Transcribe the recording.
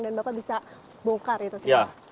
dan bapak bisa bongkar itu sih